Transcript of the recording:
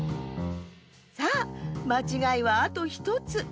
さあまちがいはあと１つ。